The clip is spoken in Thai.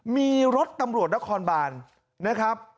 มีรถตำรวจนครบานนะครับ